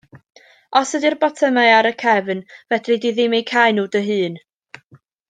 Os ydi'r botymau ar y cefn fedri ddim eu cau nhw dy hun.